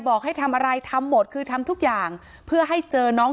บอกให้ทำอะไรทำหมดคือทำทุกอย่างเพื่อให้เจอน้อง